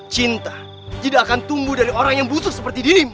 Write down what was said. cinta tidak akan tumbuh dari orang yang butuh seperti dirimu